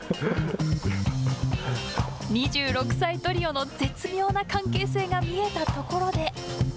２６歳トリオの絶妙な関係性が見えたところで。